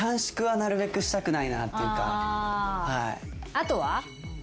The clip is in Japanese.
あとは？